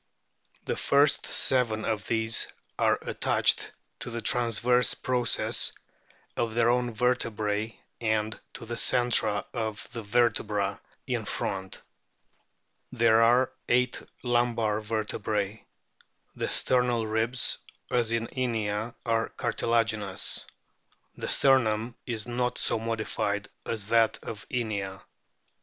The first seven of these are attached to the transverse process of their own vertebrae and to the centra of the vertebra in front. There are eight lumbar vertebrae. The sternal ribs, as in Inia, are cartilaginous. The sternum is not so modified as is that of Inia.